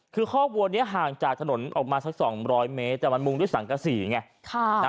คือคอกวัวนี้ห่างจากถนนออกมาสัก๒๐๐เมตรแต่มันมุงด้วยสังกษีไง